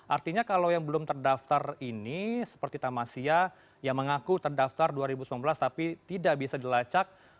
artinya kalau yang belum terdaftar ini seperti tamasya yang mengaku terdaftar dua ribu sembilan belas tapi tidak bisa dilacak